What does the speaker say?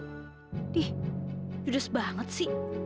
dih judes banget sih